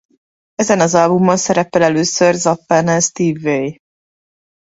Ezen az albumon szerepel először Zappánál Steve Vai.